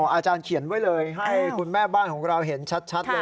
อาจารย์เขียนไว้เลยให้คุณแม่บ้านของเราเห็นชัดเลย